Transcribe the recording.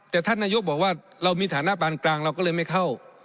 แต่ท่านนายกบอกว่าเรามีฐานะปานกลางเราก็เลยไม่เข้า